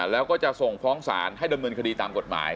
แล้วก็จะส่งฟ้องศาลให้ดำเนินคดีตามกฎหมาย